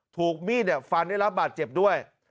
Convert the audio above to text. ถูกมีดฟันได้รับบาดเจ็บด้วย